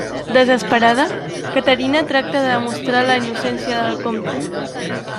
Desesperada, Caterina tracta de demostrar la innocència del comte.